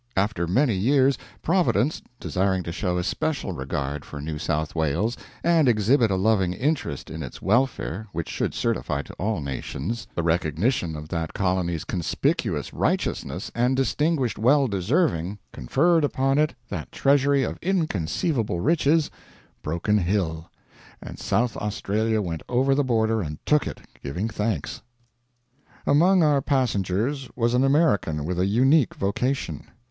After many years Providence, desiring to show especial regard for New South Wales and exhibit a loving interest in its welfare which should certify to all nations the recognition of that colony's conspicuous righteousness and distinguished well deserving, conferred upon it that treasury of inconceivable riches, Broken Hill; and South Australia went over the border and took it, giving thanks. Among our passengers was an American with a unique vocation.